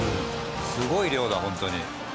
すごい量だホントに。